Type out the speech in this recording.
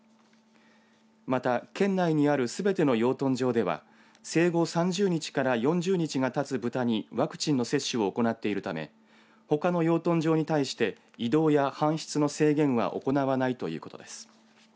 また、県内にあるすべての養豚場では生後３０日から４０日がたつブタにワクチンの接種を行っているためほかの養豚場に対して移動や搬出の制限は行わないということです。